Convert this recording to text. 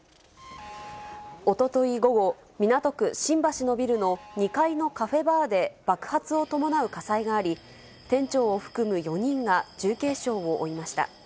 おととい午後、港区新橋のビルの２階のカフェバーで爆発を伴う火災があり、店長を含む４人が重軽傷を負いました。